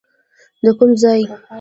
د کوم ځای؟